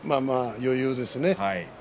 余裕ですね